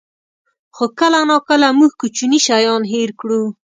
خو کله ناکله موږ کوچني شیان هېر کړو.